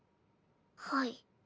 はい。